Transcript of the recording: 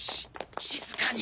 静かに。